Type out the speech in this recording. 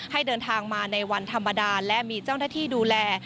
ให้เดินทางมาในวันธรรมดาและมีเจ้าหน้าที่ดูแล